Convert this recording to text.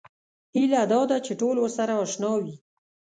هیله دا ده چې ټول ورسره اشنا وي.